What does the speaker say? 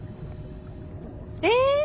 え？